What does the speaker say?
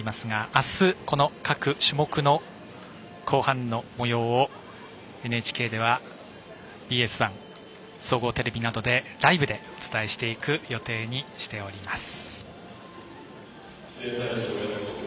明日、各種目の後半のもようをＮＨＫではＢＳ１総合テレビなどでライブでお伝えしていく予定です。